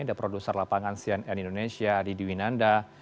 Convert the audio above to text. the producer lapangan cnn indonesia adi diwinanda